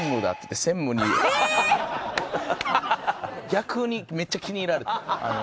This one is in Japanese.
逆にめっちゃ気に入られた。